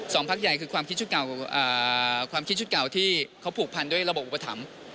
สองพักใหญ่คือความคิดชุดเก่าที่เขาผูกพันด้วยระบบอุปถัมฯ